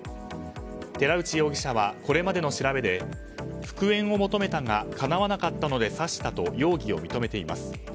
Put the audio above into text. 寺内容疑者はこれまでの調べで復縁を求めたがかなわなかったので刺したと容疑を認めています。